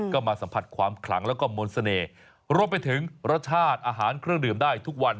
ก็มาสัมผัสความขลังแล้วก็มนต์เสน่ห์รวมไปถึงรสชาติอาหารเครื่องดื่มได้ทุกวัน